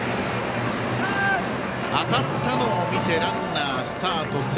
当たったのを見てランナー、スタート。